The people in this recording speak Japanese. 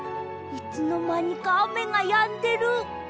いつのまにかあめがやんでる。